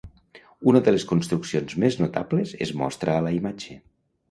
Una de les construccions més notable es mostra a la imatge.